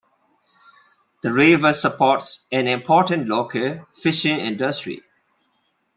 The river supports an important local fishing industry.